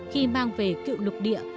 khi mang về cựu lục địa